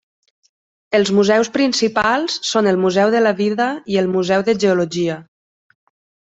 Els museus principals són el Museu de la Vida i el Museu de Geologia.